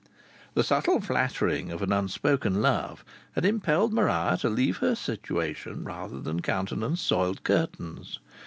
The subtle flattering of an unspoken love had impelled Maria to leave her situation rather than countenance soiled curtains.